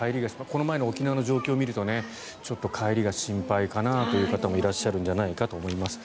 この前の沖縄の状況を見るとちょっと帰りが心配かなという方もいらっしゃるんじゃないかと思います。